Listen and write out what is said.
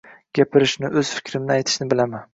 Gapirishni, o`z fikrimni aytishni bilaman